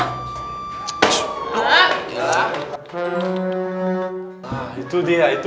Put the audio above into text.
nah itu dia itu